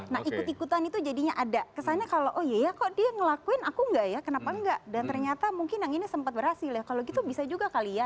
nah ikut ikutan itu jadinya ada kesannya kalau oh iya ya kok dia ngelakuin aku enggak ya kenapa enggak dan ternyata mungkin yang ini sempat berhasil ya kalau gitu bisa juga kali ya